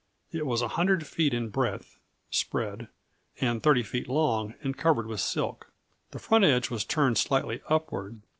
It was 100 feet in breadth (spread) and 30 feet long, and covered with silk. The front edge was turned slightly upward.